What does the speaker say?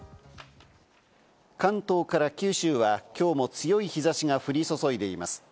関東から九州はきょうも強い日差しが降り注いでいます。